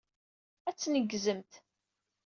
Ad tneggzemt.